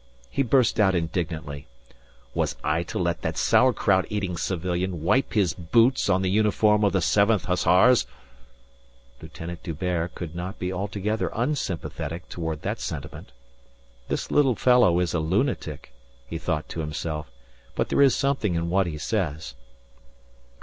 He burst out indignantly: "Was I to let that sauerkraut eating civilian wipe his boots on the uniform of the Seventh Hussars?" Lieutenant D'Hubert could not be altogether unsympathetic toward that sentiment. This little fellow is a lunatic, he thought to himself, but there is something in what he says.